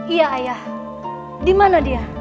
iya ayah dimana dia